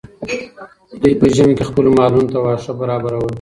دوی په ژمي کې خپلو مالونو ته واښه برابرول.